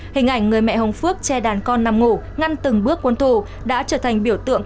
hình ảnh người mẹ hồng phước che đàn con nằm ngủ ngăn từng bước quân thù đã trở thành biểu tượng